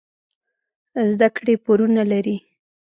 زده کړې پورونه لري.